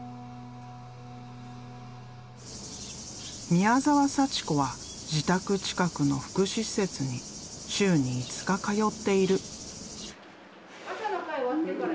宮澤祥子は自宅近くの福祉施設に週に５日通っている。